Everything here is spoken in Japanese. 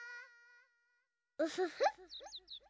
ウフフ。